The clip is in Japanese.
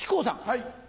はい。